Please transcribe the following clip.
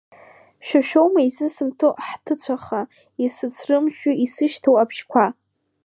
Шәа шәоума исызымҭо хҭацәыха, исыцрымшәо исышьҭоу абыжьқәа.